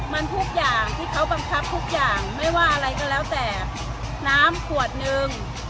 มันทุกอย่างที่เขาบังคับทุกอย่างไม่ว่าอะไรก็แล้วแต่น้ำขวดนึง